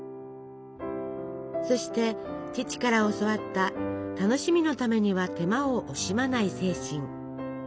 そして父から教わった楽しみのためには手間を惜しまない精神。